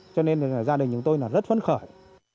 cho nên là gia đình nhà tôi là rất phấn khởi